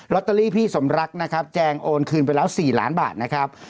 ลอตเตอรี่พี่สมรักแจงโอนคืนไปแล้ว๔ล้านบาท